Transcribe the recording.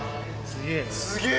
すげえ！